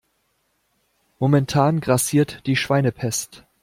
Momentan grassiert die Schweinepest.